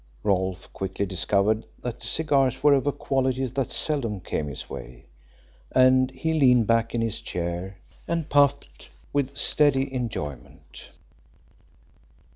Rolfe quickly discovered that the cigars were of a quality that seldom came his way, and he leaned back in his chair and puffed with steady enjoyment.